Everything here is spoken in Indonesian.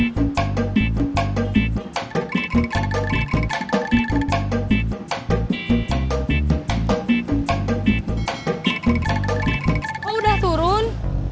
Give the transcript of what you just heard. kok udah turun